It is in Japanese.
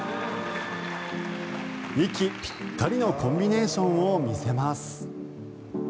息ぴったりのコンビネーションを見せます。